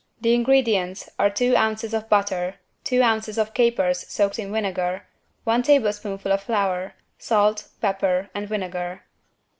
The ingredients are two ounces of butter, two ounces of capers soaked in vinegar one teaspoonful of flour, salt, pepper and vinegar.